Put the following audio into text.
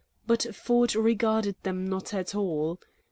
But Ford regarded them not at all.